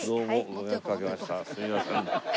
すいません。